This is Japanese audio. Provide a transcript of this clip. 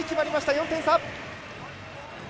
４点差。